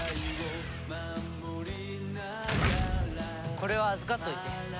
これは預かっといて。